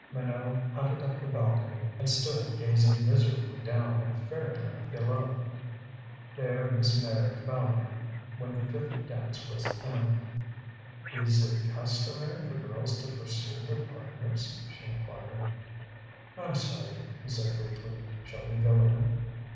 Minot hunted up the balcony and stood gazing miserably down at fairy land below. There Miss Meyrick found him when the fifth dance was imminent. "Is it customary for girls to pursue their partners?" she inquired. "I'm sorry," he said weakly. "Shall we go in?"